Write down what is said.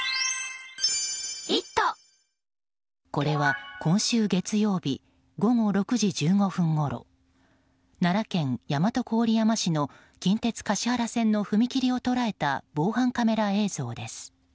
これは今週月曜日午後６時１５分ごろ奈良県大和郡山市の近鉄橿原線の踏切を捉えた防犯カメラ映像です。